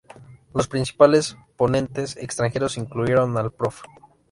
Los principales ponentes extranjeros incluyeron al Prof.